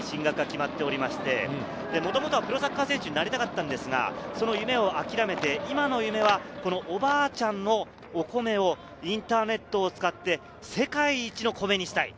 ２０番・中田脩斗は卒業後、佐賀農業大学に進学が決まっていて、もともとプロサッカー選手になりたかったのですが、その夢を諦めて、今の夢はおばちゃんの米をインターネットを使って世界一の米にしたい。